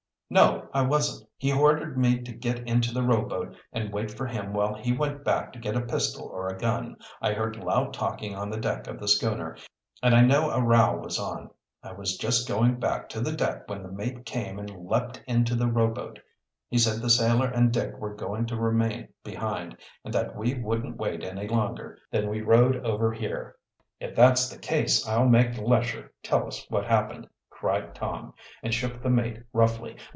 "No, I wasn't. He ordered me to get into the rowboat and wait for him while he went back to get a pistol or a gun. I heard loud talking on the deck of the schooner, and I knew a row was on. I was just going back to the deck when the mate came and leaped into the rowboat. He said the sailor and Dick were going to remain behind, and that we wouldn't wait any longer. Then we rowed over here." "If that's the case I'll make Lesher tell us what happened," cried Tom, and shook the mate roughly.